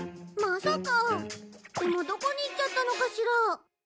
でもどこに行っちゃったのかしら。